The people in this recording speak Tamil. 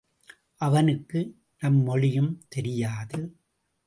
அவனுக்கு நம் மொழியும் தெரியாது.